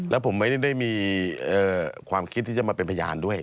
แล้วผมไม่ได้มีความคิดที่จะมาเป็นพยานด้วย